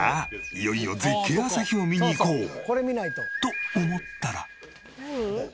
いよいよ絶景朝日を見に行こう！と思ったら。